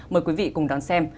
mời quý vị cùng đón xem